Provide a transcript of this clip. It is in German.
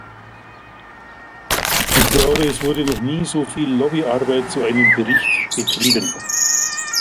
Ich glaube, es wurde noch nie so viel Lobbyarbeit zu einem Bericht betrieben.